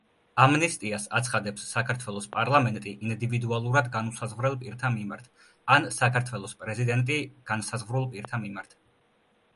ამნისტიას აცხადებს საქართველოს პარლამენტი ინდივიდუალურად განუსაზღვრელ პირთა მიმართ, ან საქართველოს პრეზიდენტი განსაზღვრულ პირთა მიმართ.